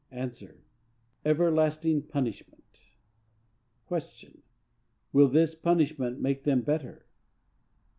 —A. Everlasting punishment. Q. Will this punishment make them better?